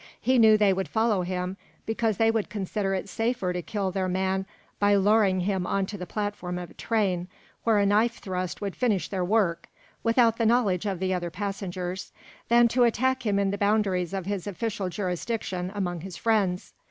He knew they would follow him, because they would consider it safer to kill their man by luring him onto the platform of a train, where a knife thrust would finish their work without the knowledge of the other passengers, than to attack him in the boundaries of his official jurisdiction among his friends.